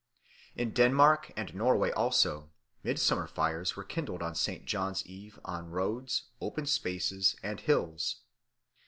In Denmark and Norway also midsummer fires were kindled on St. John's Eve on roads, open spaces, and hills.